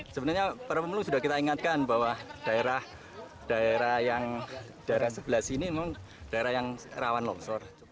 sebenarnya para pemulung sudah kita ingatkan bahwa daerah yang daerah sebelah sini memang daerah yang rawan longsor